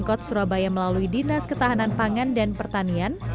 pemkot surabaya melalui dinas ketahanan pangan dan pertanian